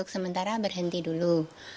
sementara berhenti dulu